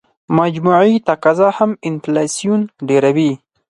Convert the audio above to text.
مجموعي تقاضا هم انفلاسیون ډېروي.